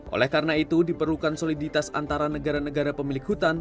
oleh karena itu diperlukan soliditas antara negara negara pemilik hutan